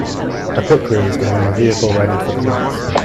A pit crew is getting a vehicle ready for the race.